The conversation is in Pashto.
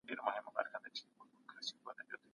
انلاين درسونه پرانيزه او مطالعه یې وکړه.